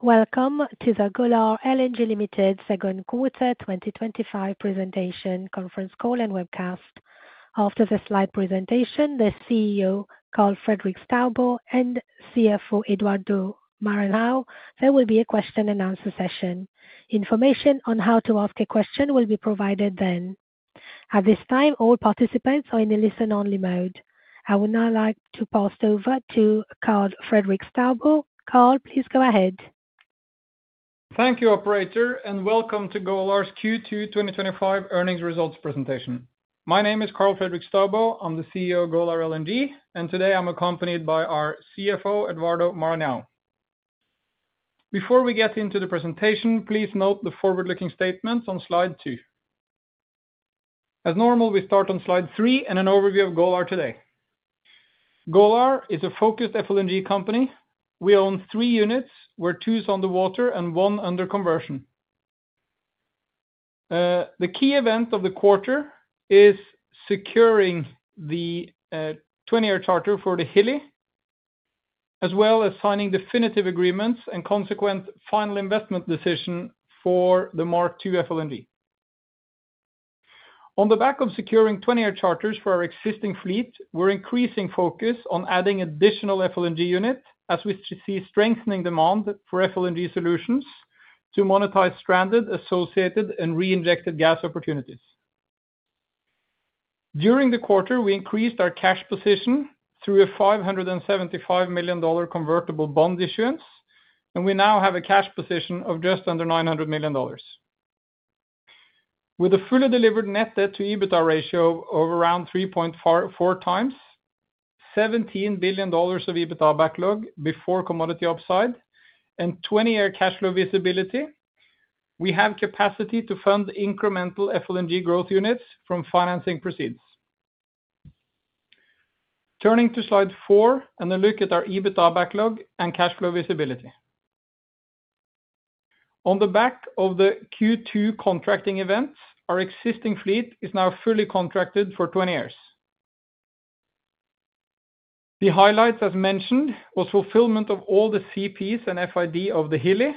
Welcome to the Golar LNG Limited 2nd Quarter 2025 presentation conference call and webcast. After the slide presentation, the CEO Karl Fredrik Staubo and CFO Eduardo Maranhão, there will be a question and answer session. Information on how to ask a question will be provided then. At this time, all participants are in a listen-only mode. I would now like to pass it over to Karl Fredrik Staubo. Karl, please go ahead. Thank you, operator, and welcome to Golar's Q2 2025 earnings results presentation. My name is Karl Fredrik Staubo. I'm the CEO of Golar LNG, and today I'm accompanied by our CFO, Eduardo Maranhão. Before we get into the presentation, please note the forward-looking statements on slide 2. As normal, we start on slide 3 and an overview of Golar today. Golar is a focused FLNG company. We own three units, where two are on water and one under conversion. The key event of the quarter is securing the 20-year charter for the FLNG Hilli, as well as signing definitive agreements and consequent final investment decision for the Mk2 FLNG. On the back of securing 20-year charters for our existing fleet, we're increasing focus on adding additional FLNG units as we see strengthening demand for FLNG solutions to monetize stranded, associated, and reinjected gas opportunities. During the quarter, we increased our cash position through a $575 million convertible bond issuance, and we now have a cash position of just under $900 million. With a fully delivered net debt to EBITDA ratio of around 3.4 times, $17 billion of EBITDA backlog before commodity upside, and 20-year cash flow visibility, we have capacity to fund incremental FLNG growth units from financing proceeds. Turning to slide 4 and a look at our EBITDA backlog and cash flow visibility. On the back of the Q2 contracting events, our existing fleet is now fully contracted for 20 years. The highlights, as mentioned, were fulfillment of all the CPs and FID of the FLNG Hilli,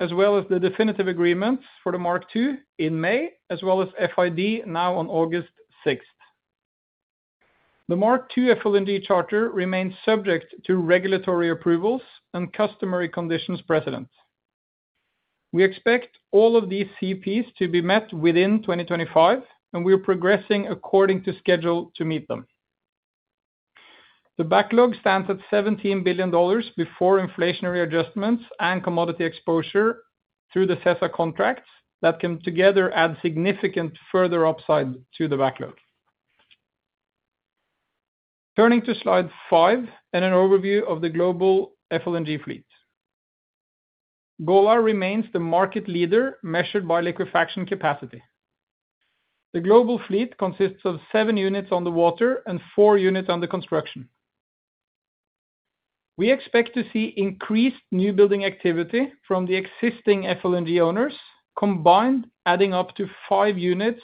as well as the definitive agreements for the Mk2 in May, as well as FID now on August 6th. The Mk2 FLNG charter remains subject to regulatory approvals and customary conditions precedent. We expect all of these CPs to be met within 2025, and we are progressing according to schedule to meet them. The backlog stands at $17 billion before inflationary adjustments and commodity exposure through the CESA contracts that can together add significant further upside to the backlog. Turning to slide 5 and an overview of the global FLNG fleet. Golar remains the market leader measured by liquefaction capacity. The global fleet consists of 7 units on water and 4 units under construction. We expect to see increased newbuilding activity from the existing FLNG owners, combined adding up to 5 units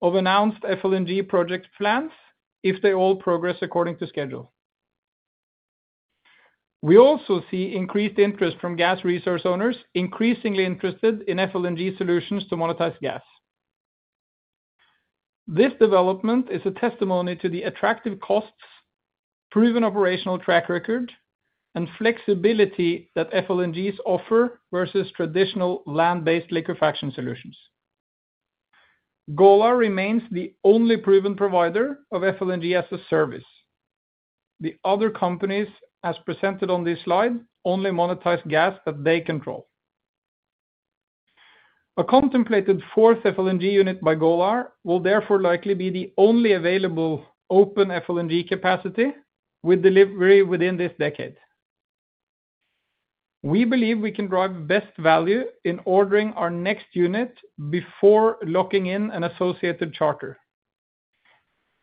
of announced FLNG project plans if they all progress according to schedule. We also see increased interest from gas resource owners, increasingly interested in FLNG solutions to monetize gas. This development is a testimony to the attractive costs, proven operational track record, and flexibility that FLNGs offer versus traditional land-based liquefaction solutions. Golar remains the only proven provider of FLNG as a service. The other companies, as presented on this slide, only monetize gas that they control. A contemplated fourth FLNG unit by Golar will therefore likely be the only available open FLNG capacity with delivery within this decade. We believe we can drive best value in ordering our next unit before locking in an associated charter.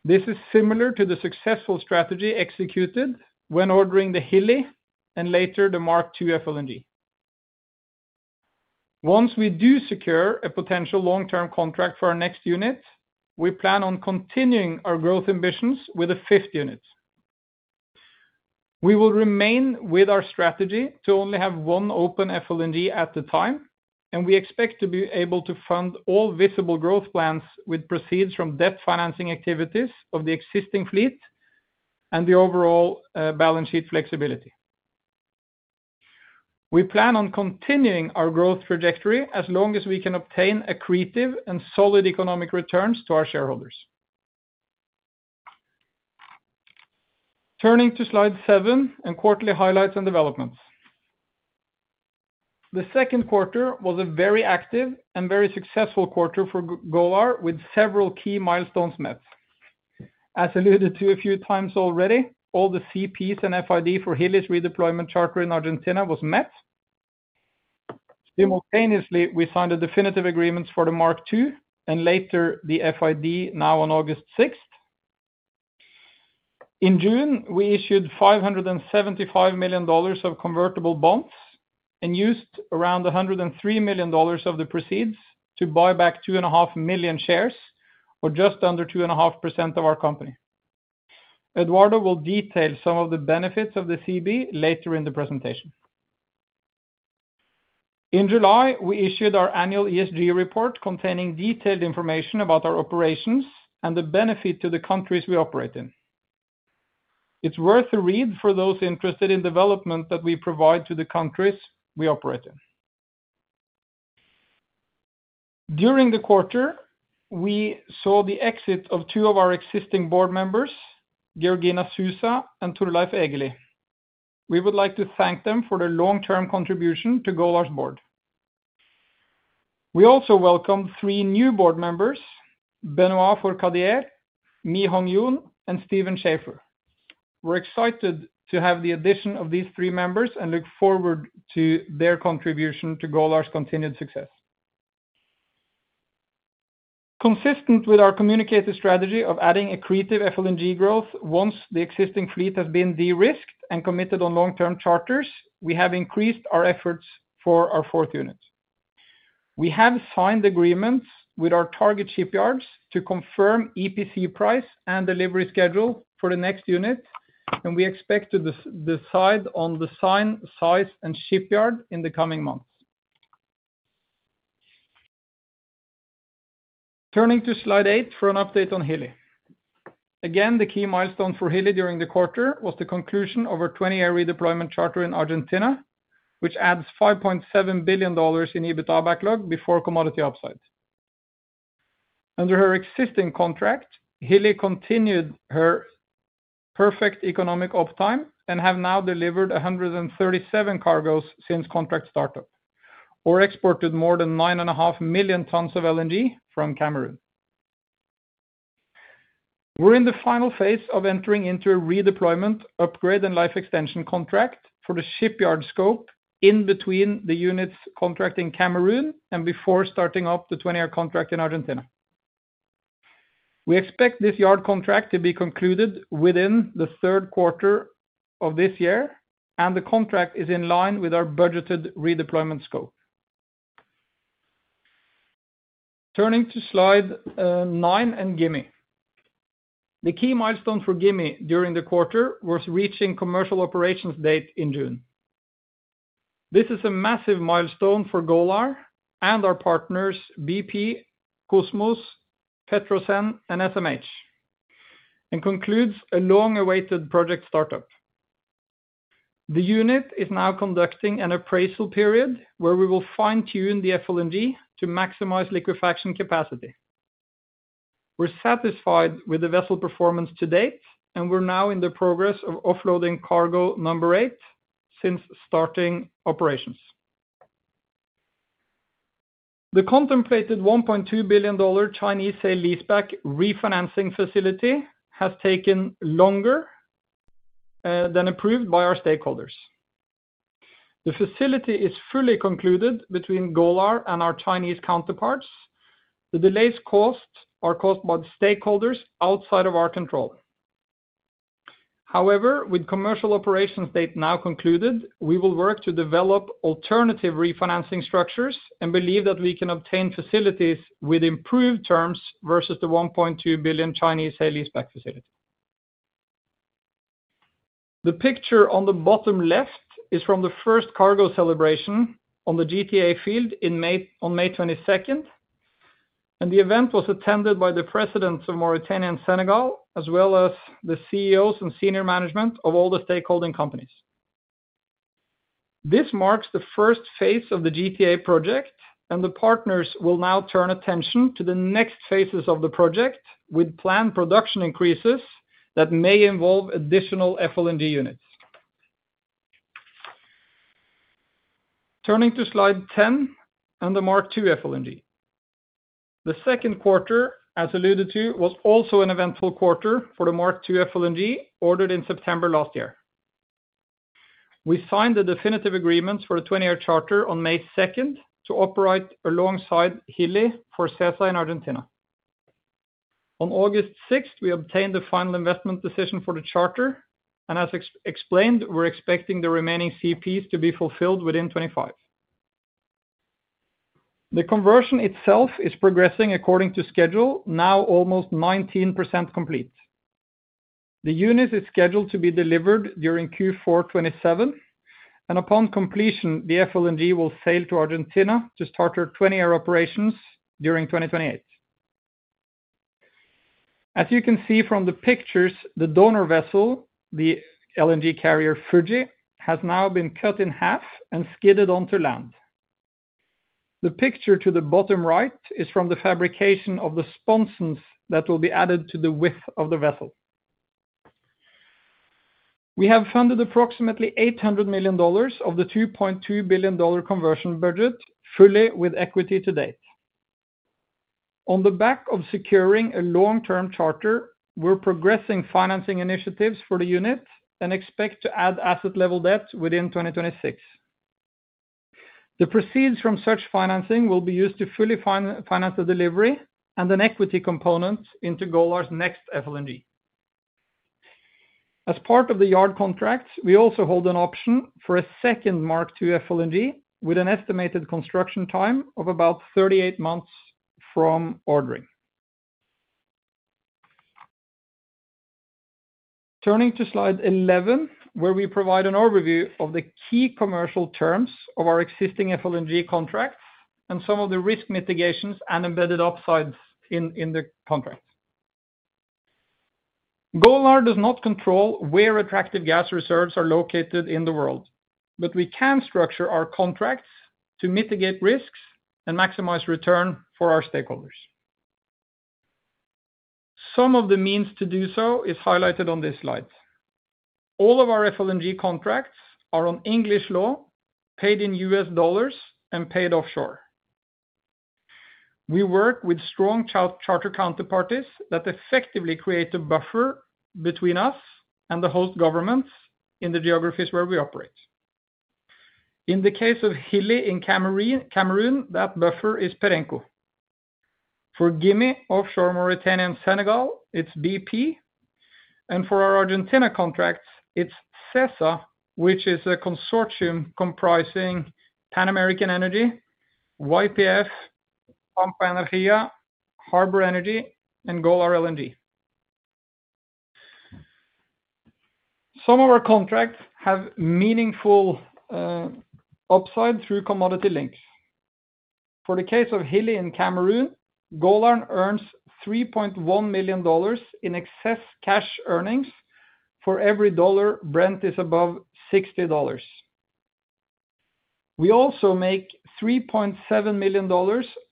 This is similar to the successful strategy executed when ordering the FLNG Hilli and later the Mk2 FLNG. Once we do secure a potential long-term contract for our next unit, we plan on continuing our growth ambitions with a fifth unit. We will remain with our strategy to only have one open FLNG at the time, and we expect to be able to fund all visible growth plans with proceeds from debt financing activities of the existing fleet and the overall balance sheet flexibility. We plan on continuing our growth trajectory as long as we can obtain accretive and solid economic returns to our shareholders. Turning to slide 7 and quarterly highlights and developments. The second quarter was a very active and very successful quarter for Golar, with several key milestones met. As alluded to a few times already, all the CPs and FID for FLNG Hilli's redeployment charter in Argentina were met. Simultaneously, we signed the definitive agreements for the Mk2 and later the FID now on August 6. In June, we issued $575 million of convertible bonds and used around $103 million of the proceeds to buy back 2.5 million shares, or just under 2.5% of our company. Eduardo Maranhão will detail some of the benefits of the convertible bond later in the presentation. In July, we issued our annual ESG report containing detailed information about our operations and the benefit to the countries we operate in. It's worth a read for those interested in development that we provide to the countries we operate in. During the quarter, we saw the exit of two of our existing board members, Georgina Susa and Torulaif Egeli. We would like to thank them for their long-term contribution to Golar's board. We also welcomed three new board members: Benoit Forcadier, Mi Hong Yoon, and Steven Schaeffer. We're excited to have the addition of these three members and look forward to their contribution to Golar LNG's continued success. Consistent with our communicated strategy of adding accretive FLNG growth once the existing fleet has been de-risked and committed on long-term charters, we have increased our efforts for our fourth unit. We have signed agreements with our target shipyards to confirm EPC price and delivery schedule for the next unit, and we expect to decide on the signed size and shipyard in the coming months. Turning to slide 8 for an update on FLNG Hilli. Again, the key milestone for FLNG Hilli during the quarter was the conclusion of our 20-year redeployment charter in Argentina, which adds $5.7 billion in EBITDA backlog before commodity offside. Under her existing contract, FLNG Hilli continued her perfect economic uptime and has now delivered 137 cargoes since contract startup, or exported more than 9.5 million tons of LNG from Cameroon. We're in the final phase of entering into a redeployment upgrade and life extension contract for the shipyard scope in between the unit's contracting in Cameroon and before starting up the 20-year contract in Argentina. We expect this yard contract to be concluded within the third quarter of this year, and the contract is in line with our budgeted redeployment scope. Turning to slide 9 and FLNG Gimi. The key milestone for FLNG Gimi during the quarter was reaching commercial operations date in June. This is a massive milestone for Golar LNG and our partners BP, Kosmos, Pétrosen, and SMH, and concludes a long-awaited project startup. The unit is now conducting an appraisal period where we will fine-tune the FLNG to maximize liquefaction capacity. We're satisfied with the vessel performance to date, and we're now in the progress of offloading cargo number 8 since starting operations. The contemplated $1.2 billion Chinese Sale Leaseback Refinancing Facility has taken longer than approved by our stakeholders. The facility is fully concluded between Golar LNG and our Chinese counterparts. The delays are caused by the stakeholders outside of our control. However, with commercial operations date now concluded, we will work to develop alternative refinancing structures and believe that we can obtain facilities with improved terms versus the $1.2 billion Chinese Sale Leaseback Facility. The picture on the bottom left is from the first cargo celebration on the GTA field on May 22nd, and the event was attended by the Presidents of Mauritania and Senegal, as well as the CEOs and senior management of all the stakeholding companies. This marks the first phase of the GTA project, and the partners will now turn attention to the next phases of the project with planned production increases that may involve additional FLNG units. Turning to slide 10 and the Mk2 FLNG. The second quarter, as alluded to, was also an eventful quarter for the Mk2 FLNG ordered in September last year. We signed the definitive agreements for a 20-year charter on May 2nd to operate alongside FLNG Hilli for CESA in Argentina. On August 6th, we obtained the final investment decision for the charter, and as explained, we're expecting the remaining CPs to be fulfilled within 2025. The conversion itself is progressing according to schedule, now almost 19% complete. The unit is scheduled to be delivered during Q4 2027, and upon completion, the FLNG will sail to Argentina to start her 20-year operations during 2028. As you can see from the pictures, the donor vessel, the LNG carrier Fuji, has now been cut in half and skidded onto land. The picture to the bottom right is from the fabrication of the sponsons that will be added to the width of the vessel. We have funded approximately $800 million of the $2.2 billion conversion budget fully with equity to date. On the back of securing a long-term charter, we're progressing financing initiatives for the unit and expect to add asset-level debt within 2026. The proceeds from such financing will be used to fully finance the delivery and an equity component into Golar LNG's next FLNG. As part of the yard contract, we also hold an option for a second Mk2 FLNG with an estimated construction time of about 38 months from ordering. Turning to slide 11, where we provide an overview of the key commercial terms of our existing FLNG contracts and some of the risk mitigations and embedded upsides in the contract. Golar LNG does not control where attractive gas reserves are located in the world, but we can structure our contracts to mitigate risks and maximize return for our stakeholders. Some of the means to do so are highlighted on this slide. All of our FLNG contracts are on English law, paid in US dollars, and paid offshore. We work with strong charter counterparties that effectively create a buffer between us and the host governments in the geographies where we operate. In the case of FLNG Hilli in Cameroon, that buffer is PERENCO. For FLNG Gimi offshore Mauritania and Senegal, it's BP, and for our Argentina contracts, it's CESA, which is a consortium comprising Pan American Energy, YPF, Pampa Energia, Harbor Energy, and Golar LNG. Some of our contracts have meaningful upside through commodity links. For the case of FLNG Hilli in Cameroon, Golar earns $3.1 million in excess cash earnings for every dollar Brent is above $60. We also make $3.7 million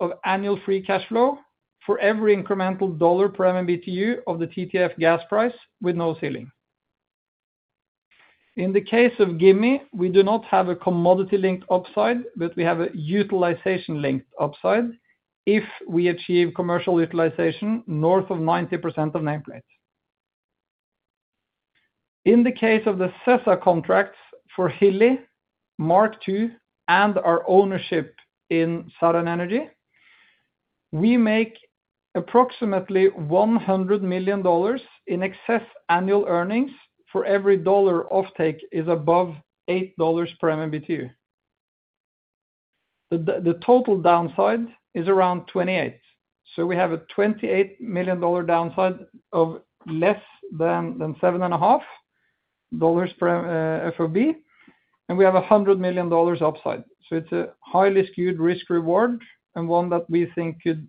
of annual free cash flow for every incremental dollar per MMBtu of the TTF gas price with no ceiling. In the case of FLNG Gimi, we do not have a commodity-linked upside, but we have a utilization-linked upside if we achieve commercial utilization north of 90% of nameplate. In the case of the CESA contracts for FLNG Hilli, FLNG Mark II, and our ownership in Saran Energy, we make approximately $100 million in excess annual earnings for every dollar offtake is above $8 per MMBtu. The total downside is around $28 million, so we have a $28 million downside of less than $7.5 per FOB. We have a $100 million upside, so it's a highly skewed risk-reward and one that we think could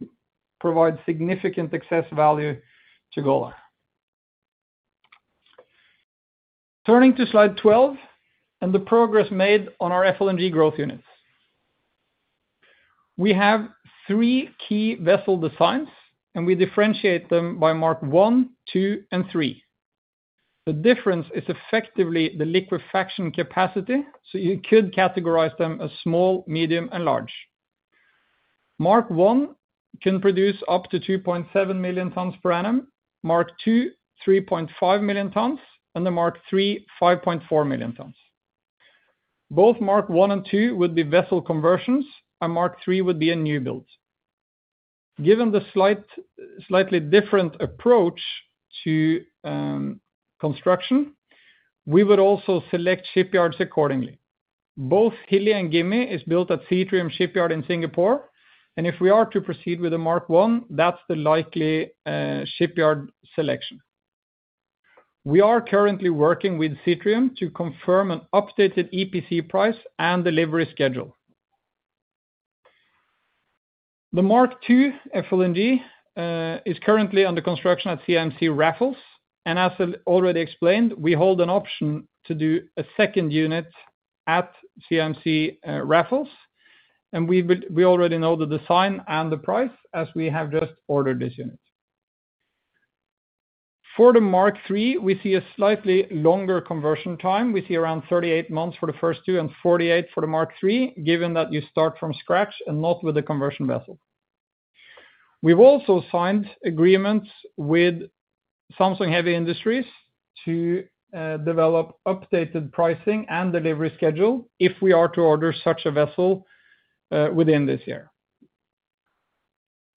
provide significant excess value to Golar. Turning to slide 12 and the progress made on our FLNG growth units, we have three key vessel designs, and we differentiate them by Mk1, Mk2, and Mk3. The difference is effectively the liquefaction capacity, so you could categorize them as small, medium, and large. Mk1 can produce up to 2.7 million tons per annum, Mk2 3.5 million tons, and the Mk3 5.4 million tons. Both Mk1 and Mk2 would be vessel conversions, and Mk3 would be a new build. Given the slightly different approach to construction, we would also select shipyards accordingly. Both FLNG Hilli and FLNG Gimi are built at Keppel Ship yard in Singapore, and if we are to proceed with a Mk1, that's the likely shipyard selection. We are currently working with Keppel to confirm an updated EPC price and delivery schedule. The Mk2 FLNG is currently under construction at CMI Raffles, and as already explained, we hold an option to do a second unit at CMI Raffles, and we already know the design and the price as we have just ordered this unit. For the Mk3, we see a slightly longer conversion time. We see around 38 months for the first two and 48 for the Mk3, given that you start from scratch and not with a conversion vessel. We've also signed agreements with Samsung Heavy Industries to develop updated pricing and delivery schedule if we are to order such a vessel within this year.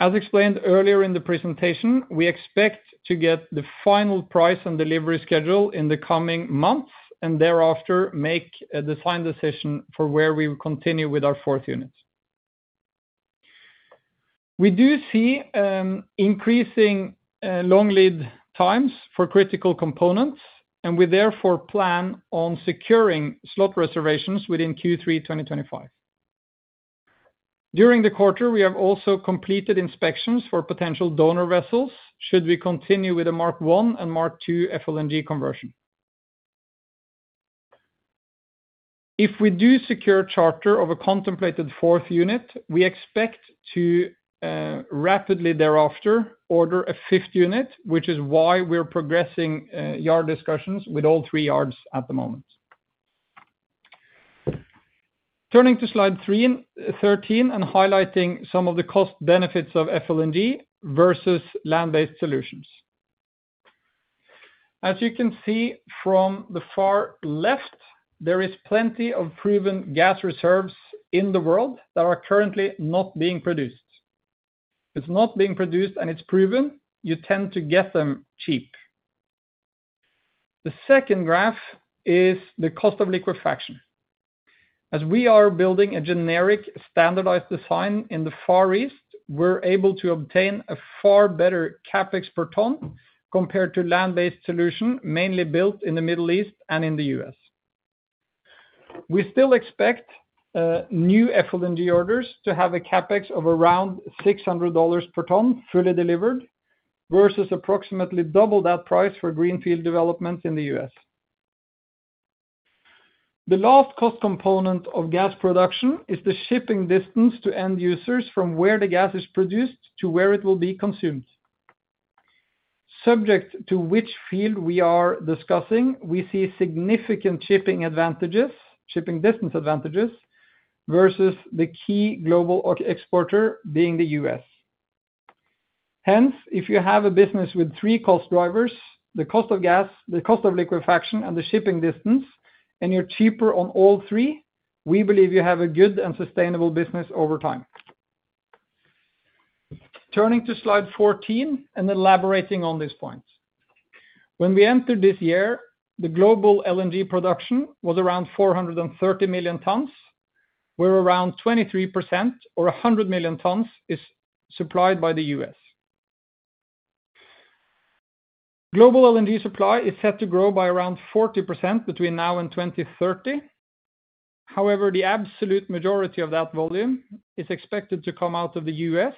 As explained earlier in the presentation, we expect to get the final price and delivery schedule in the coming months and thereafter make a design decision for where we will continue with our fourth unit. We do see increasing long lead times for critical components, and we therefore plan on securing slot reservations within Q3 2025. During the quarter, we have also completed inspections for potential donor vessels should we continue with a Mk1 and Mk2 FLNG conversion. If we do secure a charter of a contemplated fourth unit, we expect to rapidly thereafter order a fifth unit, which is why we're progressing yard discussions with all three yards at the moment. Turning to slide 13 and highlighting some of the cost benefits of FLNG versus land-based solutions. As you can see from the far left, there are plenty of proven gas reserves in the world that are currently not being produced. It's not being produced, and it's proven you tend to get them cheap. The second graph is the cost of liquefaction. As we are building a generic standardized design in the Far East, we're able to obtain a far better CAPEX per ton compared to land-based solutions mainly built in the Middle East and in the U.S. We still expect new FLNG orders to have a CAPEX of around $600 per ton fully delivered versus approximately double that price for greenfield developments in the U.S. The last cost component of gas production is the shipping distance to end users from where the gas is produced to where it will be consumed. Subject to which field we are discussing, we see significant shipping advantages, shipping distance advantages versus the key global exporter being the U.S. Hence, if you have a business with three cost drivers: the cost of gas, the cost of liquefaction, and the shipping distance, and you're cheaper on all three, we believe you have a good and sustainable business over time. Turning to slide 14 and elaborating on these points. When we entered this year, the global LNG production was around 430 million tons, where around 23% or 100 million tons is supplied by the U.S. Global LNG supply is set to grow by around 40% between now and 2030. However, the absolute majority of that volume is expected to come out of the U.S.,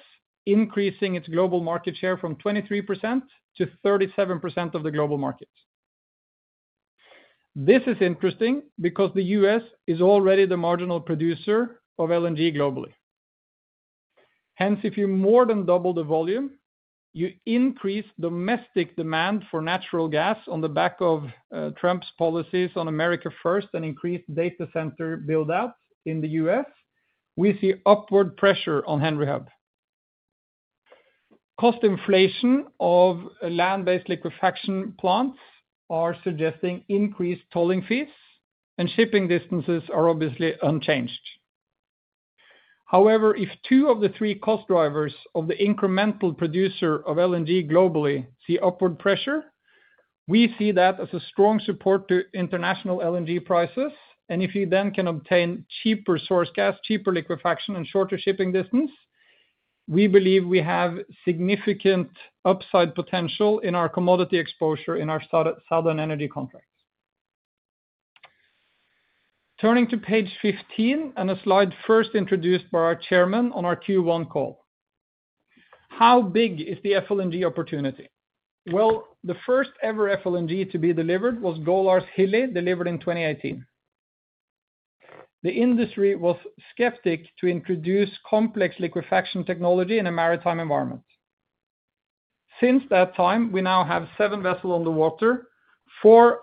increasing its global market share from 23% to 37% of the global market. This is interesting because the U.S. is already the marginal producer of LNG globally. Hence, if you more than double the volume, you increase domestic demand for natural gas on the back of Trump's policies on America First and increased data center build-out in the U.S., we see upward pressure on Henry Hub. Cost inflation of land-based liquefaction plants is suggesting increased tolling fees, and shipping distances are obviously unchanged. However, if two of the three cost drivers of the incremental producer of LNG globally see upward pressure, we see that as a strong support to international LNG prices. If you then can obtain cheaper source gas, cheaper liquefaction, and shorter shipping distance, we believe we have significant upside potential in our commodity exposure in our Southern Energy contract. Turning to page 15 and a slide first introduced by our Chairman on our Q1 call. How big is the FLNG opportunity? The first ever FLNG to be delivered was Golar LNG's FLNG Hilli, delivered in 2018. The industry was skeptical to introduce complex liquefaction technology in a maritime environment. Since that time, we now have seven vessels underwater, four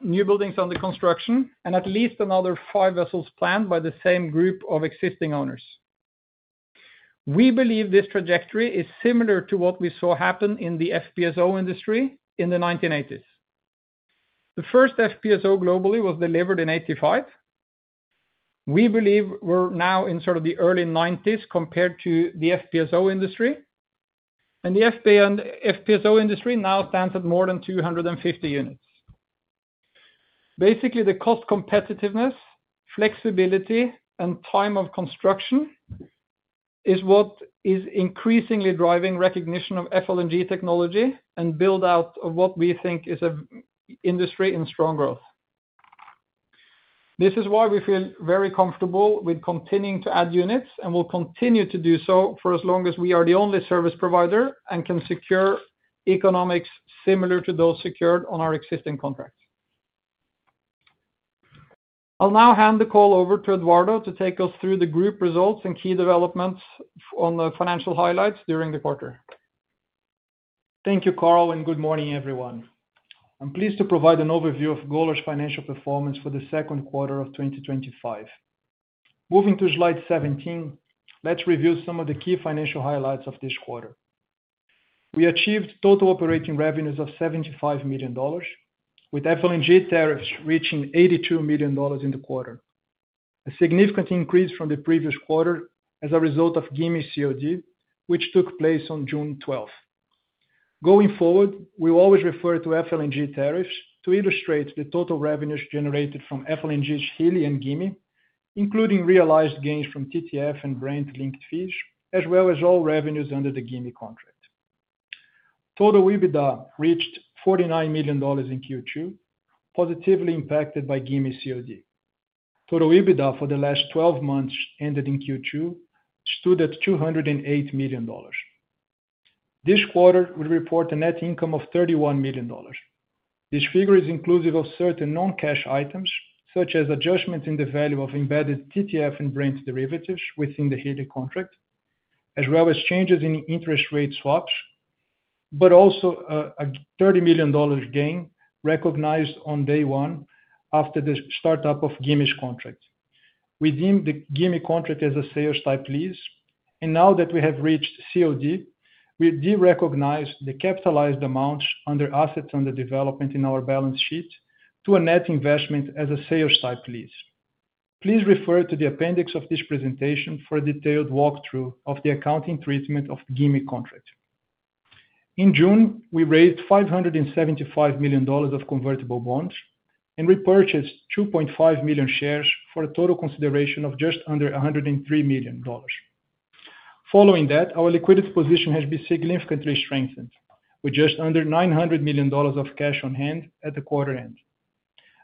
new buildings under construction, and at least another five vessels planned by the same group of existing owners. We believe this trajectory is similar to what we saw happen in the FPSO industry in the 1980s. The first FPSO globally was delivered in 1985. We believe we're now in sort of the early 1990s compared to the FPSO industry, and the FPSO industry now stands at more than 250 units. Basically, the cost competitiveness, flexibility, and time of construction is what is increasingly driving recognition of FLNG technology and build-out of what we think is an industry in strong growth. This is why we feel very comfortable with continuing to add units and will continue to do so for as long as we are the only service provider and can secure economics similar to those secured on our existing contracts. I'll now hand the call over to Eduardo Maranhão to take us through the group results and key developments on the financial highlights during the quarter. Thank you, Karl, and good morning, everyone. I'm pleased to provide an overview of Golar LNG's financial performance for the second quarter of 2025. Moving to slide 17, let's review some of the key financial highlights of this quarter. We achieved total operating revenues of $75 million, with FLNG tariffs reaching $82 million in the quarter, a significant increase from the previous quarter as a result of Gimi's COD, which took place on June 12th. Going forward, we'll always refer to FLNG tariffs to illustrate the total revenues generated from FLNG Hilli and Gimi, including realized gains from TTF and Brent linked fees, as well as all revenues under the Gimi contract. Total EBITDA reached $49 million in Q2, positively impacted by Gimi's COD. Total EBITDA for the last 12 months ended in Q2 stood at $208 million. This quarter, we report a net income of $31 million. This figure is inclusive of certain non-cash items, such as adjustments in the value of embedded TTF and Brent derivatives within the Hilli contract, as well as changes in interest rate swaps, but also a $30 million gain recognized on day one after the startup of Gimi's contract. We deem the Gimi contract as a sales type lease, and now that we have reached COD, we de-recognize the capitalized amounts under assets under development in our balance sheet to a net investment as a sales type lease. Please refer to the appendix of this presentation for a detailed walkthrough of the accounting treatment of the Gimi contract. In June, we raised $575 million of convertible bonds and repurchased 2.5 million shares for a total consideration of just under $103 million. Following that, our liquidity position has been significantly strengthened, with just under $900 million of cash on hand at the quarter end.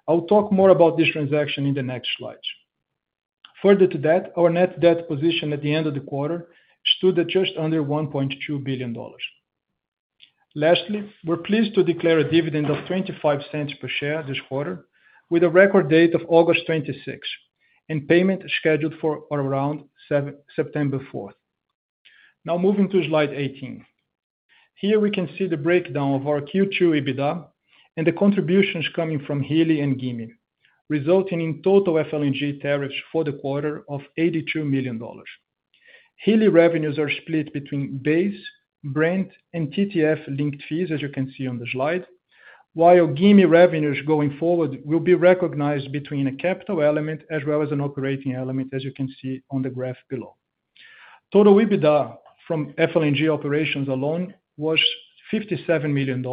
I'll talk more about this transaction in the next slides. Further to that, our net debt position at the end of the quarter stood at just under $1.2 billion. Lastly, we're pleased to declare a dividend of $0.25 per share this quarter, with a record date of August 26th and payment scheduled for around September 4th. Now moving to slide 18. Here we can see the breakdown of our Q2 EBITDA and the contributions coming from Hilli and Gimi, resulting in total FLNG tariffs for the quarter of $82 million. Hilli revenues are split between base, Brent, and TTF linked fees, as you can see on the slide, while Gimi revenues going forward will be recognized between a capital element as well as an operating element, as you can see on the graph below. Total EBITDA from FLNG operations alone was $57 million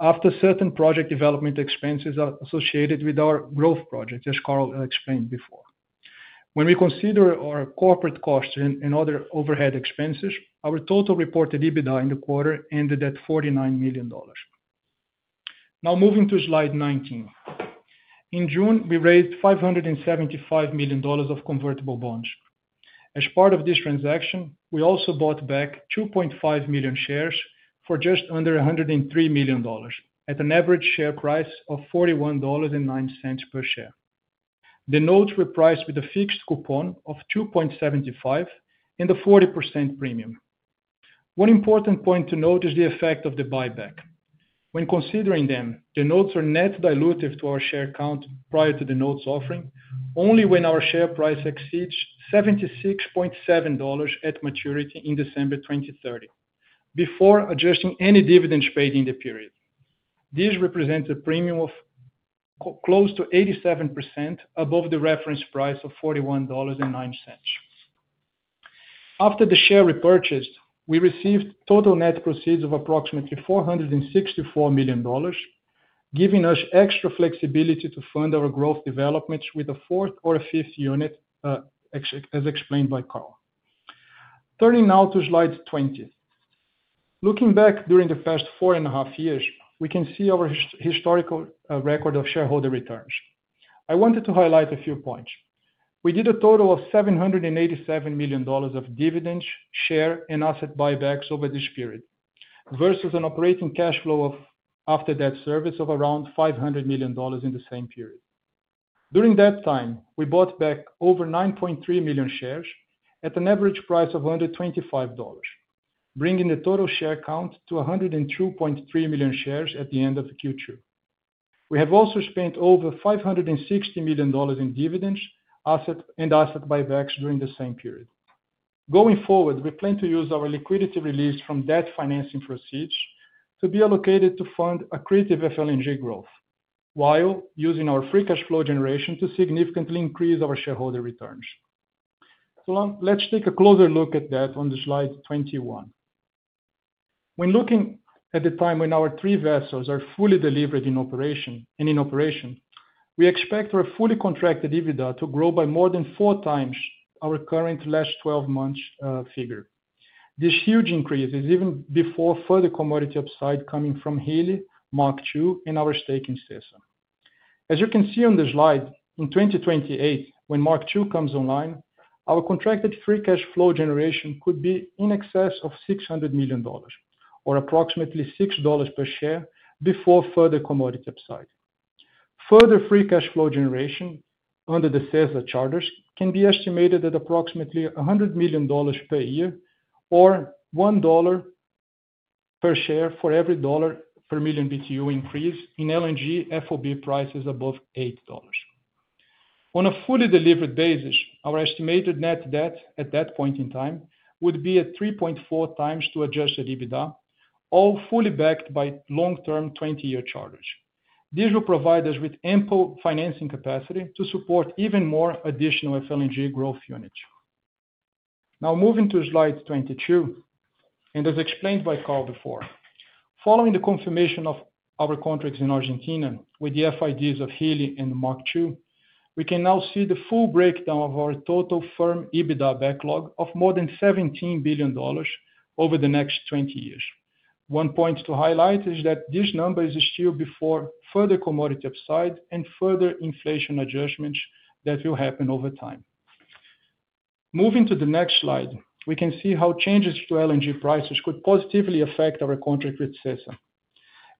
after certain project development expenses associated with our growth projects, as Karl explained before. When we consider our corporate costs and other overhead expenses, our total reported EBITDA in the quarter ended at $49 million. Now moving to slide 19. In June, we raised $575 million of convertible bonds. As part of this transaction, we also bought back 2.5 million shares for just under $103 million at an average share price of $41.09 per share. The notes were priced with a fixed coupon of 2.75% and a 40% premium. One important point to note is the effect of the buyback. When considering them, the notes are net dilutive to our share count prior to the notes offering only when our share price exceeds $76.70 at maturity in December 2030, before adjusting any dividends paid in the period. This represents a premium of close to 87% above the reference price of $41.09. After the share repurchase, we received total net proceeds of approximately $464 million, giving us extra flexibility to fund our growth developments with a fourth or a fifth unit, as explained by Karl. Turning now to slide 20. Looking back during the past four and a half years, we can see our historical record of shareholder returns. I wanted to highlight a few points. We did a total of $787 million of dividends, share, and asset buybacks over this period versus an operating cash flow after debt service of around $500 million in the same period. During that time, we bought back over 9.3 million shares at an average price of under $25, bringing the total share count to 102.3 million shares at the end of Q2. We have also spent over $560 million in dividends and asset buybacks during the same period. Going forward, we plan to use our liquidity released from debt financing proceeds to be allocated to fund accretive FLNG growth, while using our free cash flow generation to significantly increase our shareholder returns. Let's take a closer look at that on slide 21. When looking at the time when our three vessels are fully delivered in operation, we expect our fully contracted EBITDA to grow by more than four times our current last 12 months' figure. This huge increase is even before further commodity upside coming from FLNG Hilli, Mk2, and our stake in CESA. As you can see on the slide, in 2028, when Mk2 comes online, our contracted free cash flow generation could be in excess of $600 million, or approximately $6 per share before further commodity upside. Further free cash flow generation under the CESA charters can be estimated at approximately $100 million per year, or $1 per share for every dollar per million BTU increase in LNG FOB prices above $8. On a fully delivered basis, our estimated net debt at that point in time would be at 3.4 times to adjusted EBITDA, all fully backed by long-term 20-year charters. This will provide us with ample financing capacity to support even more additional FLNG growth units. Now moving to slide 22. As explained by Karl before, following the confirmation of our contracts in Argentina with the FIDs of FLNG Hilli and Mk2, we can now see the full breakdown of our total firm EBITDA backlog of more than $17 billion over the next 20 years. One point to highlight is that this number is still before further commodity upside and further inflation adjustments that will happen over time. Moving to the next slide, we can see how changes to LNG prices could positively affect our contract with CESA.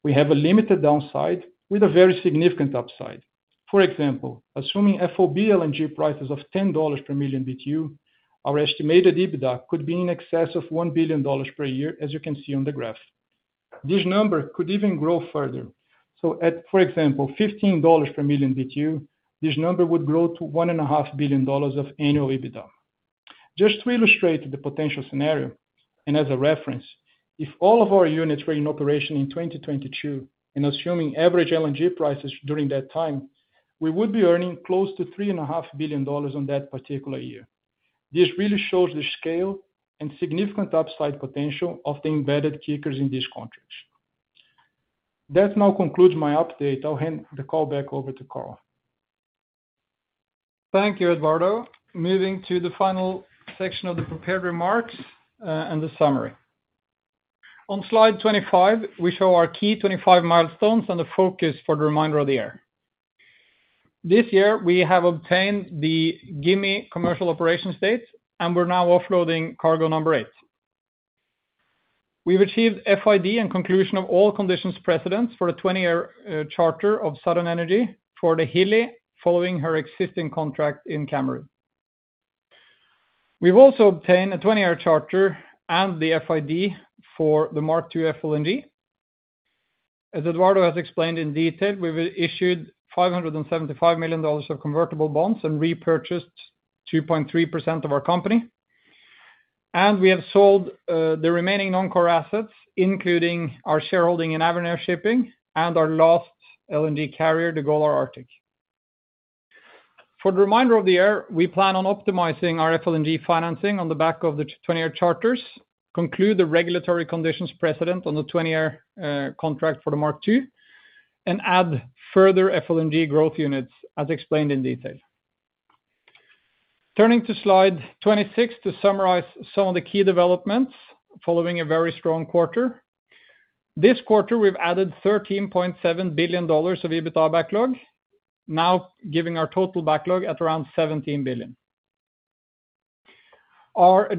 We have a limited downside with a very significant upside. For example, assuming FOB LNG prices of $10 per million BTU, our estimated EBITDA could be in excess of $1 billion per year, as you can see on the graph. This number could even grow further. For example, at $15 per million BTU, this number would grow to $1.5 billion of annual EBITDA. Just to illustrate the potential scenario, and as a reference, if all of our units were in operation in 2022 and assuming average LNG prices during that time, we would be earning close to $3.5 billion on that particular year. This really shows the scale and significant upside potential of the embedded kickers in these contracts. That now concludes my update. I'll hand the call back over to Karl. Thank you, Eduardo. Moving to the final section of the prepared remarks and the summary. On slide 25, we show our key 25 milestones and the focus for the remainder of the year. This year, we have obtained the FLNG Gimi commercial operations date, and we're now offloading cargo number 8. We've achieved FID and conclusion of all conditions precedents for a 20-year charter of Saran Energy for the FLNG Hilli following her existing contract in Cameroon. We've also obtained a 20-year charter and the FID for the Mk2 FLNG. As Eduardo Maranhão has explained in detail, we've issued $575 million of convertible bonds and repurchased 2.3% of our company, and we have sold the remaining non-core assets, including our shareholding in Avenir Shipping and our last LNG carrier, the Golar Arctic. For the remainder of the year, we plan on optimizing our FLNG financing on the back of the 20-year charters, conclude the regulatory conditions precedent on the 20-year contract for the Mk2, and add further FLNG growth units, as explained in detail. Turning to slide 26 to summarize some of the key developments following a very strong quarter. This quarter, we've added $13.7 billion of EBITDA backlog, now giving our total backlog at around $17 billion. Our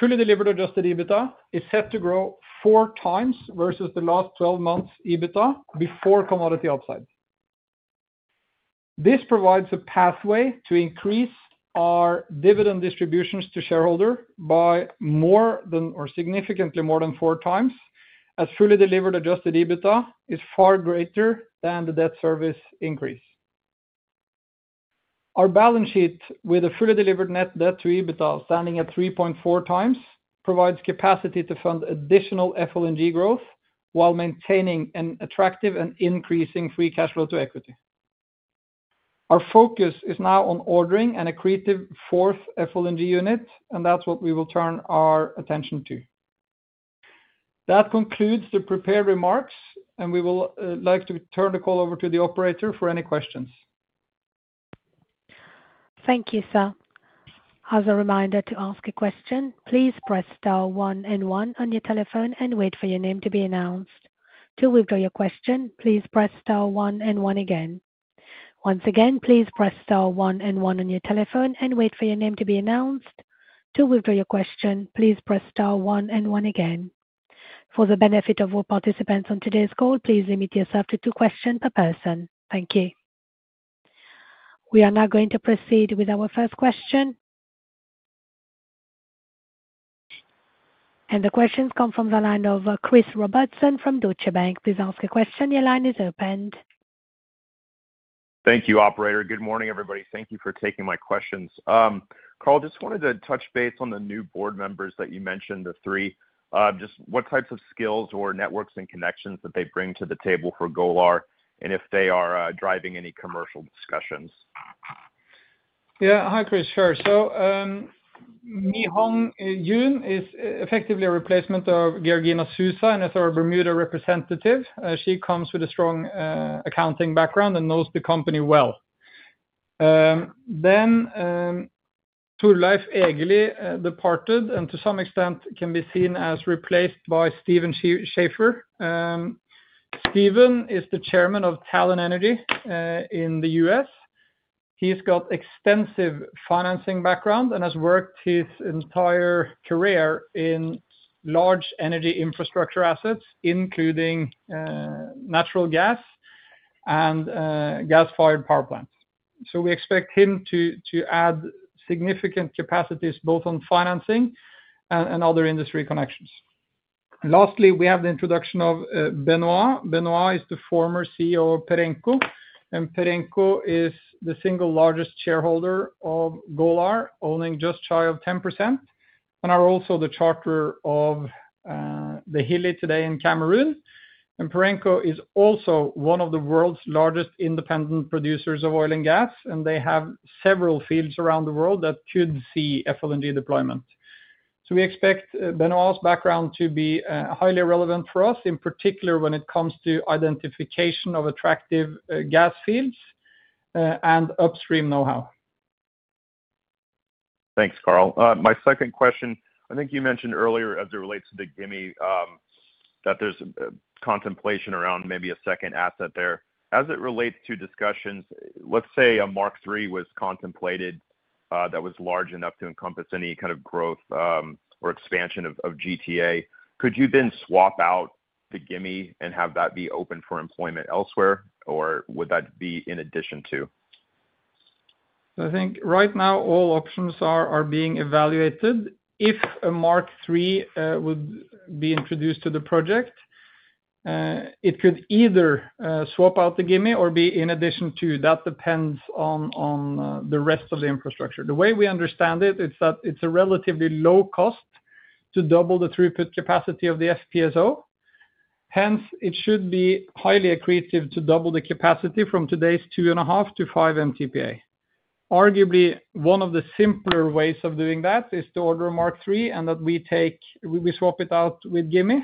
fully delivered adjusted EBITDA is set to grow four times versus the last 12 months' EBITDA before commodity offside. This provides a pathway to increase our dividend distributions to shareholders by more than or significantly more than four times, as fully delivered adjusted EBITDA is far greater than the debt service increase. Our balance sheet with a fully delivered net debt to EBITDA standing at 3.4 times provides capacity to fund additional FLNG growth while maintaining an attractive and increasing free cash flow to equity. Our focus is now on ordering an accretive fourth FLNG unit, and that's what we will turn our attention to. That concludes the prepared remarks, and we would like to turn the call over to the operator for any questions. Thank you, sir. As a reminder to ask a question, please press star 1 and 1 on your telephone and wait for your name to be announced. To withdraw your question, please press star 1 and 1 again. Once again, please press star 1 and 1 on your telephone and wait for your name to be announced. To withdraw your question, please press star 1 and 1 again. For the benefit of all participants on today's call, please limit yourself to two questions per person. Thank you. We are now going to proceed with our first question. The questions come from the line of Christopher Warren Robertson from Deutsche Bank. Please ask your question. Your line is opened. Thank you, operator. Good morning, everybody. Thank you for taking my questions. Karl, I just wanted to touch base on the new board members that you mentioned, the three. Just what types of skills or networks and connections that they bring to the table for Golar LNG, and if they are driving any commercial discussions? Yeah, hi, Chris. Sure. Mi Hong Yoon is effectively a replacement of Georgina Susa, an SR Bermuda representative. She comes with a strong accounting background and knows the company well. Torulaif Egeli departed and to some extent can be seen as replaced by Steven Schaeffer. Steven is the Chairman of Talon Energy in the U.S. He's got an extensive financing background and has worked his entire career in large energy infrastructure assets, including natural gas and gas-fired power plants. We expect him to add significant capacities both on financing and other industry connections. Lastly, we have the introduction of Benoit. Benoit is the former CEO of PERENCO, and PERENCO is the single largest shareholder of Golar LNG, owning just shy of 10%, and are also the charter of the FLNG Hilli today in Cameroon. PERENCO is also one of the world's largest independent producers of oil and gas, and they have several fields around the world that could see FLNG deployment. We expect Benoit's background to be highly relevant for us, in particular when it comes to identification of attractive gas fields and upstream know-how. Thanks, Karl. My second question, I think you mentioned earlier as it relates to the Gimi that there's a contemplation around maybe a second asset there. As it relates to discussions, let's say a Mk3 was contemplated that was large enough to encompass any kind of growth or expansion of GTA. Could you then swap out the Gimi and have that be open for employment elsewhere, or would that be in addition to? I think right now all options are being evaluated. If a Mk3 would be introduced to the project, it could either swap out the Gimi or be in addition to. That depends on the rest of the infrastructure. The way we understand it is that it's a relatively low cost to double the throughput capacity of the FPSO. Hence, it should be highly accretive to double the capacity from today's 2.5 to 5 MTPA. Arguably, one of the simpler ways of doing that is to order a Mk3 and then we swap it out with Gimi.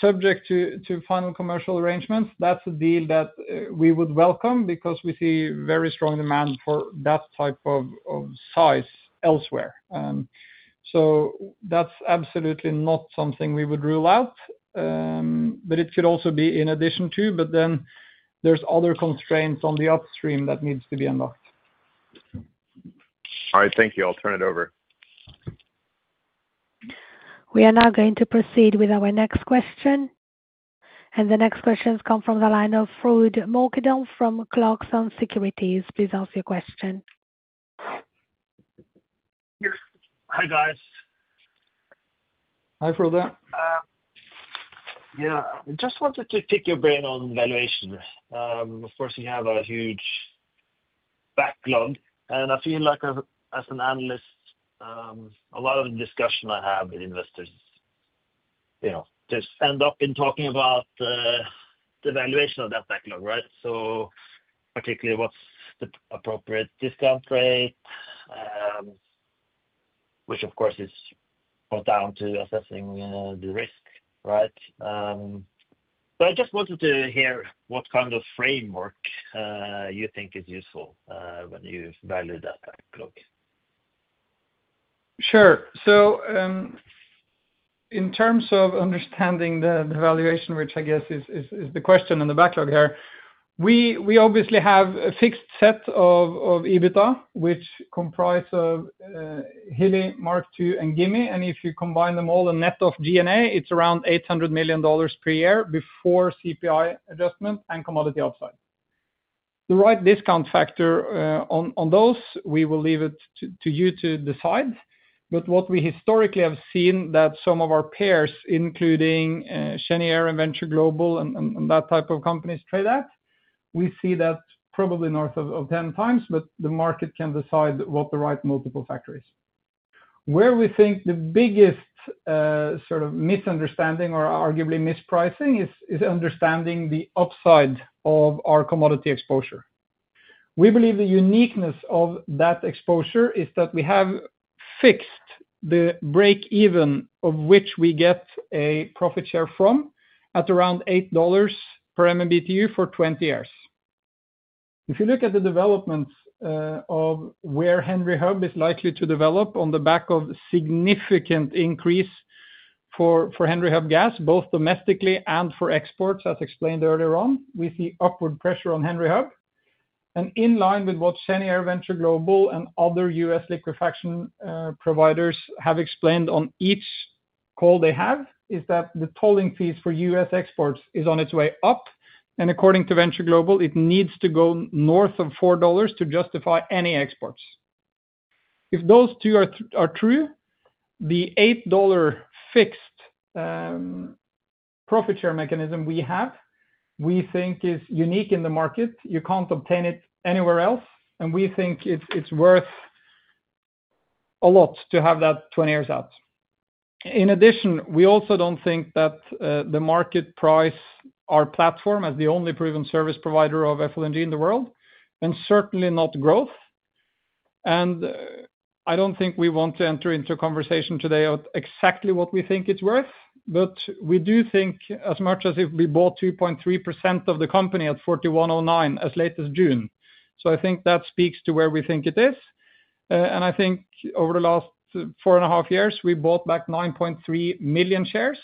Subject to final commercial arrangements, that's a deal that we would welcome because we see very strong demand for that type of size elsewhere. That's absolutely not something we would rule out, but it could also be in addition to. Then there's other constraints on the upstream that need to be unlocked. All right, thank you. I'll turn it over. We are now going to proceed with our next question. The next questions come from the line of Frode Morkedal from Clarksons Platou Securities. Please ask your question. Hi, guys. Hi, Frode. Yeah, I just wanted to pick your brain on valuation. Of course, you have a huge backlog. I feel like as an analyst, a lot of the discussion I have with investors ends up in talking about the valuation of that backlog, right? Particularly, what's the appropriate discount rate, which of course is down to assessing the risk, right? I just wanted to hear what kind of framework you think is useful when you value that backlog. Sure. In terms of understanding the valuation, which I guess is the question and the backlog here, we obviously have a fixed set of EBITDA, which comprises Hilli, Mk2, and Gimi. If you combine them all and net off G&A, it's around $800 million per year before CPI adjustment and commodity upside. The right discount factor on those, we will leave it to you to decide. What we historically have seen is that some of our peers, including Cheniere and Venture Global and that type of companies, trade at, we see that probably north of 10 times, but the market can decide what the right multiple factor is. Where we think the biggest sort of misunderstanding or arguably mispricing is understanding the upside of our commodity exposure. We believe the uniqueness of that exposure is that we have fixed the break-even of which we get a profit share from at around $8 per MMBtu for 20 years. If you look at the developments of where Henry Hub is likely to develop on the back of a significant increase for Henry Hub gas, both domestically and for exports, as explained earlier on, we see upward pressure on Henry Hub. In line with what Cheniere, Venture Global, and other U.S. liquefaction providers have explained on each call they have, the tolling fees for U.S. exports are on its way up. According to Venture Global, it needs to go north of $4 to justify any exports. If those two are true, the $8 fixed profit share mechanism we have, we think is unique in the market. You can't obtain it anywhere else, and we think it's worth a lot to have that 20 years out. In addition, we also don't think that the market prices our platform as the only proven service provider of FLNG in the world, and certainly not growth. I don't think we want to enter into a conversation today of exactly what we think it's worth, but we do think as much as if we bought 2.3% of the company at $41.09 as late as June. I think that speaks to where we think it is. Over the last four and a half years, we bought back 9.3 million shares,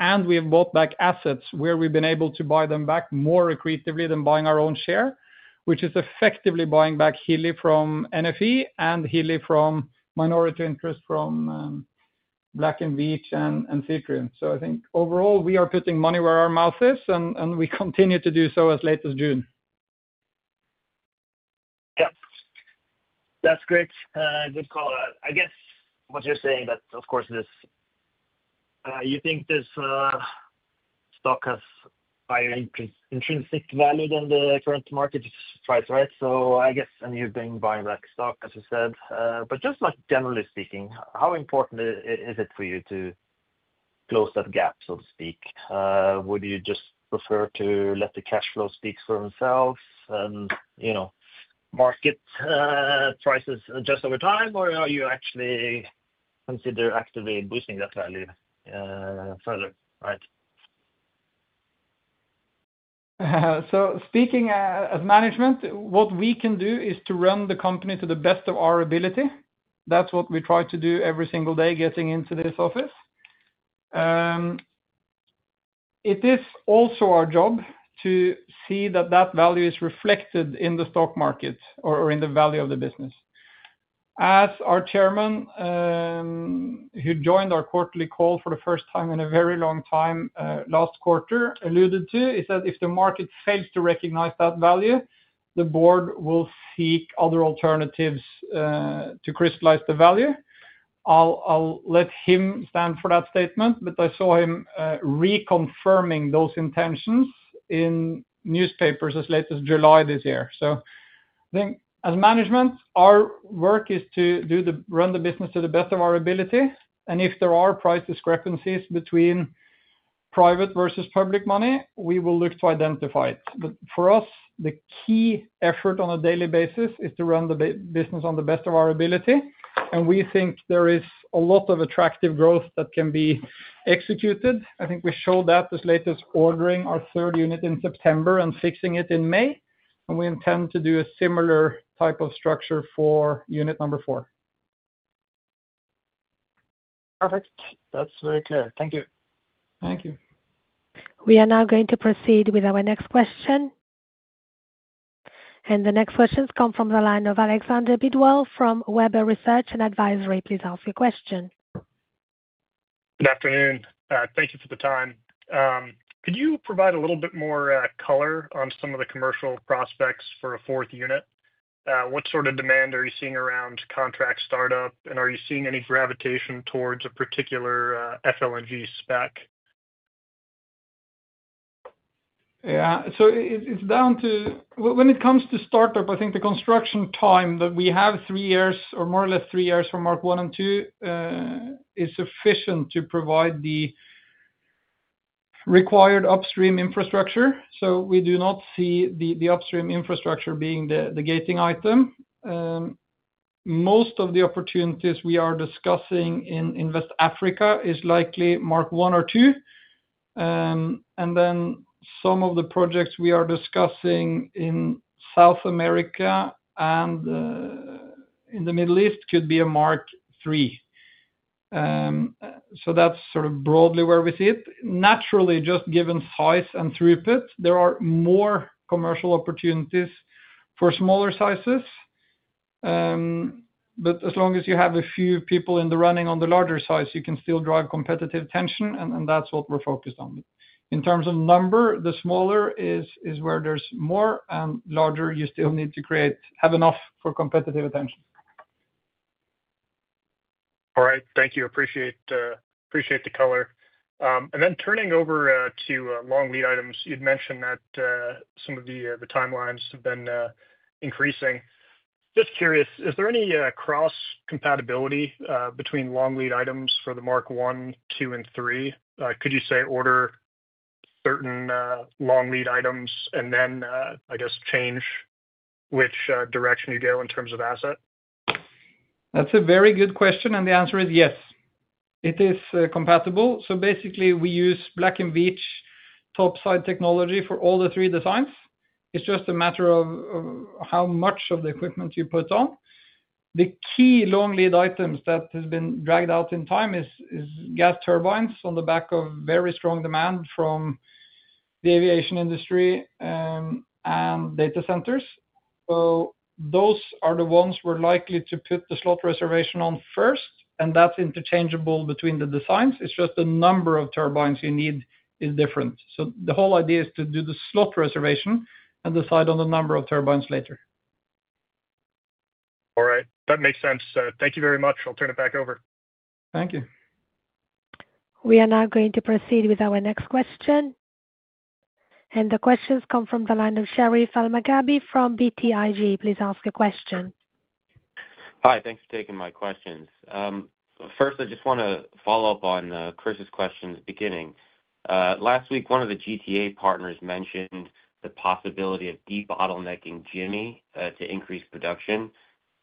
and we have bought back assets where we've been able to buy them back more accretively than buying our own share, which is effectively buying back Hilli from NFE and Hilli from minority interest from Black & Veatch and Cetrium. I think overall, we are putting money where our mouth is, and we continue to do so as late as June. Yeah, that's great. Good call. I guess what you're saying is that, of course, you think this stock has higher intrinsic value than the current market price, right? I guess, and you've been buying back stock, as you said, but just generally speaking, how important is it for you to close that gap, so to speak? Would you just prefer to let the cash flow speak for themselves and, you know, market prices adjust over time, or are you actually considering actively boosting that value further, right? Speaking as management, what we can do is to run the company to the best of our ability. That's what we try to do every single day getting into this office. It is also our job to see that value is reflected in the stock market or in the value of the business. As our Chairman, who joined our quarterly call for the first time in a very long time last quarter, alluded to, he said if the market fails to recognize that value, the board will seek other alternatives to crystallize the value. I'll let him stand for that statement, but I saw him reconfirming those intentions in newspapers as late as July this year. I think as management, our work is to run the business to the best of our ability, and if there are price discrepancies between private versus public money, we will look to identify it. For us, the key effort on a daily basis is to run the business to the best of our ability, and we think there is a lot of attractive growth that can be executed. I think we showed that as late as ordering our third unit in September and fixing it in May, and we intend to do a similar type of structure for unit number four. Perfect. That's very clear. Thank you. Thank you. We are now going to proceed with our next question. The next questions come from the line of Alexander Bidwell from Weber Research and Advisory. Please ask your question. Good afternoon. Thank you for the time. Could you provide a little bit more color on some of the commercial prospects for a fourth unit? What sort of demand are you seeing around contract startup, and are you seeing any gravitation towards a particular FLNG spec? Yeah, so it's down to when it comes to startup, I think the construction time that we have, three years or more or less three years from Mk1 and Mk2, is sufficient to provide the required upstream infrastructure. We do not see the upstream infrastructure being the gating item. Most of the opportunities we are discussing in West Africa are likely Mk1 or Mk2, and some of the projects we are discussing in South America and in the Middle East could be a Mk3. That's sort of broadly where we sit. Naturally, just given size and throughput, there are more commercial opportunities for smaller sizes, but as long as you have a few people in the running on the larger size, you can still drive competitive attention, and that's what we're focused on. In terms of number, the smaller is where there's more, and larger, you still need to have enough for competitive attention. All right. Thank you. Appreciate the color. Turning over to long lead items, you'd mentioned that some of the timelines have been increasing. Just curious, is there any cross-compatibility between long lead items for the Mk1, Mk2, and Mk3? Could you order certain long lead items and then, I guess, change which direction you go in terms of asset? That's a very good question, and the answer is yes. It is compatible. Basically, we use Black & Veatch topside technology for all the three designs. It's just a matter of how much of the equipment you put on. The key long lead items that have been dragged out in time are gas turbines on the back of very strong demand from the aviation industry and data centers. Those are the ones we're likely to put the slot reservation on first, and that's interchangeable between the designs. It's just the number of turbines you need is different. The whole idea is to do the slot reservation and decide on the number of turbines later. All right. That makes sense. Thank you very much. I'll turn it back over. Thank you. We are now going to proceed with our next question. The questions come from the line of Sherif Ehab Elmaghrabi from BTIG. Please ask a question. Hi, thanks for taking my questions. First, I just want to follow up on Chris's question at the beginning. Last week, one of the GTA partners mentioned the possibility of de-bottlenecking Gimi to increase production.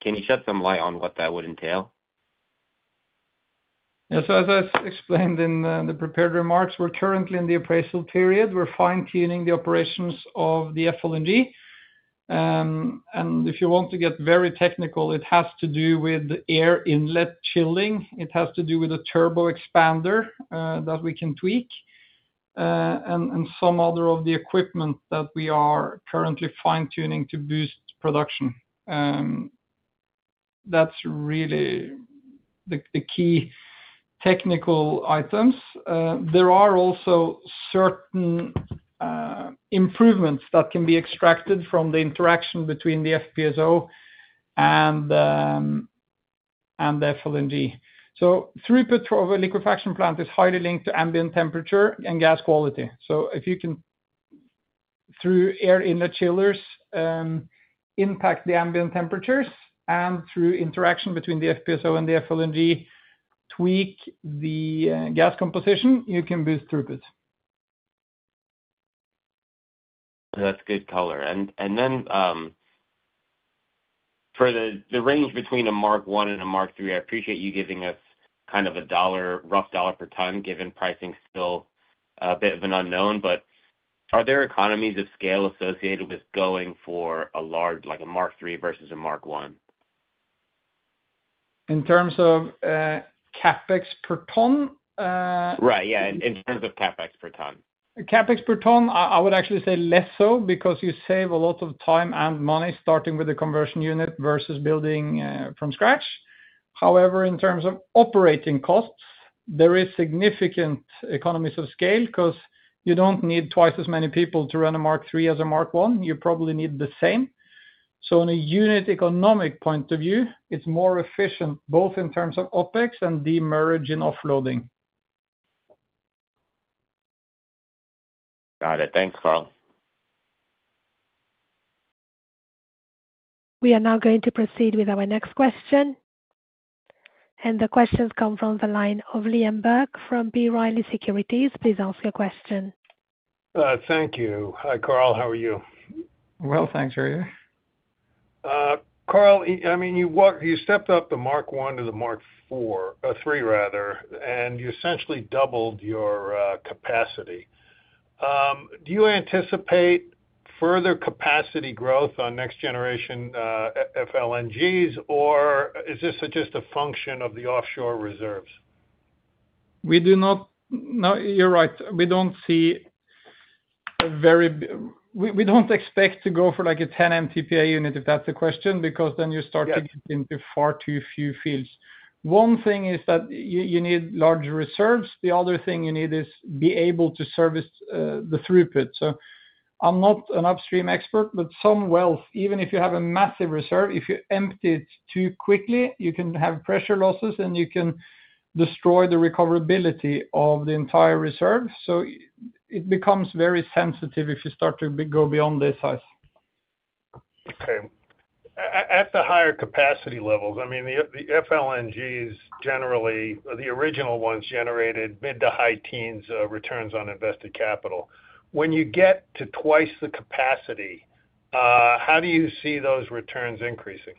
Can you shed some light on what that would entail? Yeah, as I explained in the prepared remarks, we're currently in the appraisal period. We're fine-tuning the operations of the FLNG. If you want to get very technical, it has to do with air inlet shielding. It has to do with a turbo expander that we can tweak and some other equipment that we are currently fine-tuning to boost production. That's really the key technical items. There are also certain improvements that can be extracted from the interaction between the FPSO and the FLNG. Throughput of a liquefaction plant is highly linked to ambient temperature and gas quality. If you can, through air inlet chillers, impact the ambient temperatures and through interaction between the FPSO and the FLNG, tweak the gas composition, you can boost throughput. That's good color. For the range between a Mk1 and a Mk3, I appreciate you giving us kind of a rough dollar per ton, given pricing is still a bit of an unknown. Are there economies of scale associated with going for a large, like a Mk3 versus a Mk1? In terms of CAPEX per ton? Right, yeah, in terms of CAPEX per ton. CAPEX per ton, I would actually say less so because you save a lot of time and money starting with the conversion unit versus building from scratch. However, in terms of operating costs, there are significant economies of scale because you don't need twice as many people to run a Mk3 as a Mk1. You probably need the same. In a unit economic point of view, it's more efficient both in terms of OPEX and demurrage in offloading. Got it. Thanks, Karl. We are now going to proceed with our next question. The questions come from the line of Liam Dalton Burke from B. Riley Securities. Please ask your question. Thank you. Hi, Karl. How are you? Thanks. How are you? Karl, I mean, you stepped up the Mk1 to the Mk3, rather, and you essentially doubled your capacity. Do you anticipate further capacity growth on next-generation FLNGs, or is this just a function of the offshore reserves? You're right. We don't see very, we don't expect to go for like a 10 MTPA unit if that's the question, because then you start to get into far too few fields. One thing is that you need large reserves. The other thing you need is to be able to service the throughput. I'm not an upstream expert, but some wells, even if you have a massive reserve, if you empty it too quickly, you can have pressure losses and you can destroy the recoverability of the entire reserve. It becomes very sensitive if you start to go beyond this size. Okay. At the higher capacity levels, I mean, the FLNGs generally, the original ones generated mid to high teens returns on invested capital. When you get to twice the capacity, how do you see those returns increasing?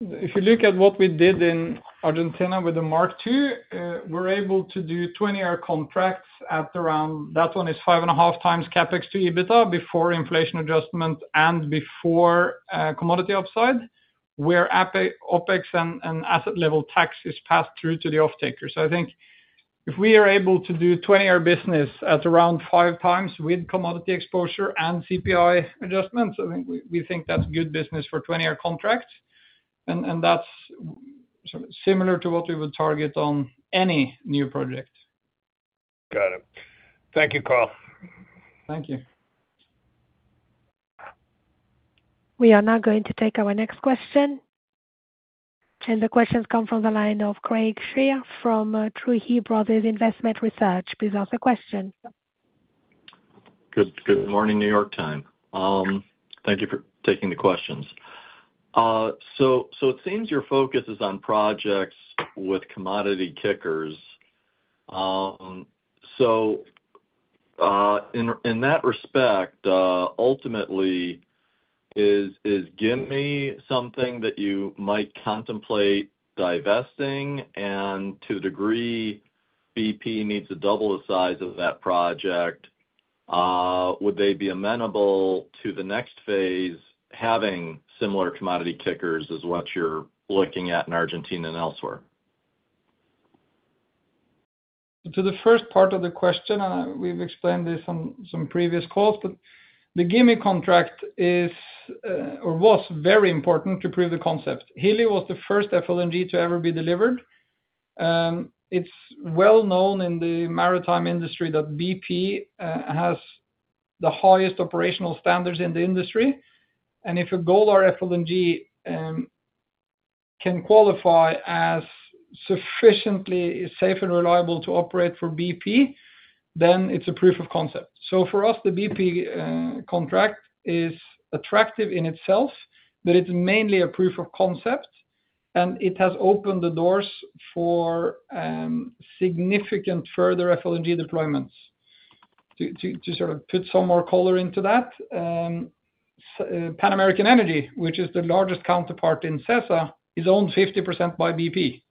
If you look at what we did in Argentina with the Mk2, we're able to do 20-year contracts at around, that one is five and a half times CAPEX to EBITDA before inflation adjustment and before commodity offside, where OPEX and asset level tax is passed through to the offtaker. I think if we are able to do 20-year business at around five times with commodity exposure and CPI adjustments, I think we think that's good business for a 20-year contract. That's sort of similar to what we would target on any new project. Got it. Thank you, Karl. Thank you. We are now going to take our next question. The questions come from the line of Craig Kenneth Shere from Tuohy Brothers Investment Research. Please ask a question. Good morning, New York Time. Thank you for taking the questions. It seems your focus is on projects with commodity kickers. In that respect, ultimately, is Gimi something that you might contemplate divesting? To a degree, BP needs to double the size of that project. Would they be amenable to the next phase having similar commodity kickers as what you're looking at in Argentina and elsewhere? To the first part of the question, we've explained this on some previous calls, but the Gimi contract is or was very important to prove the concept. FLNG Hilli was the first FLNG to ever be delivered. It's well known in the maritime industry that BP has the highest operational standards in the industry. If a Golar FLNG can qualify as sufficiently safe and reliable to operate for BP, then it's a proof of concept. For us, the BP contract is attractive in itself, but it's mainly a proof of concept, and it has opened the doors for significant further FLNG deployments. To put some more color into that, Pan American Energy, which is the largest counterpart in CESA, is owned 50% by BP.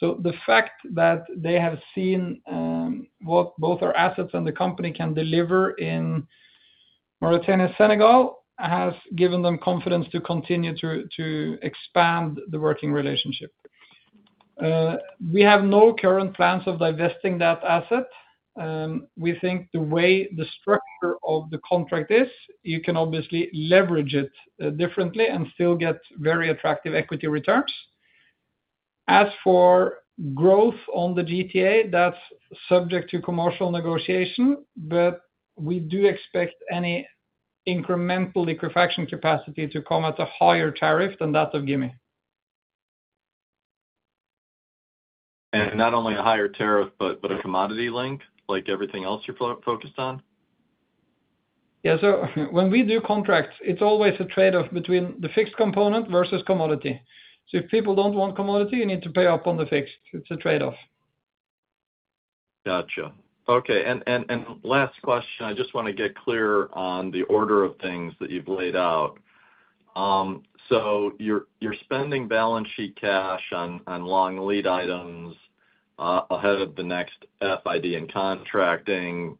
The fact that they have seen what both our assets and the company can deliver in Mauritania and Senegal has given them confidence to continue to expand the working relationship. We have no current plans of divesting that asset. We think the way the structure of the contract is, you can obviously leverage it differently and still get very attractive equity returns. As for growth on the GTA, that's subject to commercial negotiation, but we do expect any incremental liquefaction capacity to come at a higher tariff than that of Gimi. Not only a higher tariff, but a commodity link, like everything else you're focused on? Yeah, when we do contracts, it's always a trade-off between the fixed component versus commodity. If people don't want commodity, you need to pay up on the fixed. It's a trade-off. Gotcha. Okay. Last question, I just want to get clear on the order of things that you've laid out. You're spending balance sheet cash on long lead items ahead of the next FID and contracting.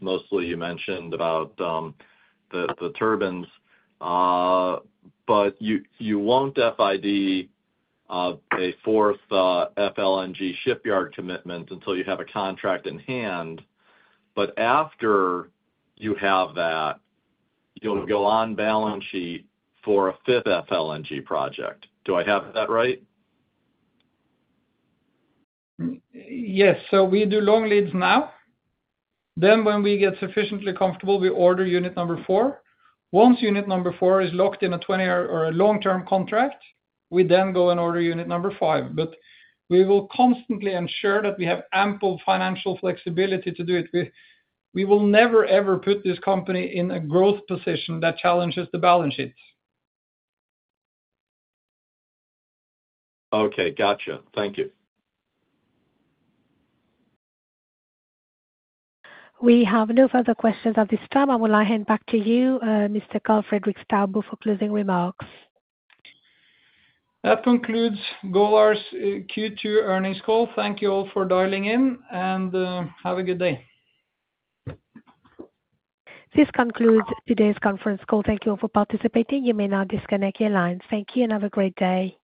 Mostly, you mentioned about the turbines, but you won't FID a fourth FLNG shipyard commitment until you have a contract in hand. After you have that, you'll go on balance sheet for a fifth FLNG project. Do I have that right? We do long leads now. When we get sufficiently comfortable, we order unit number four. Once unit number four is locked in a 20-hour or a long-term contract, we go and order unit number five. We will constantly ensure that we have ample financial flexibility to do it. We will never, ever put this company in a growth position that challenges the balance sheets. Okay, gotcha. Thank you. We have no further questions at this time. I will now hand back to you, Mr. Karl Fredrik Staubo, for closing remarks. That concludes Golar LNG's Q2 earnings call. Thank you all for dialing in, and have a good day. This concludes today's conference call. Thank you all for participating. You may now disconnect your lines. Thank you and have a great day.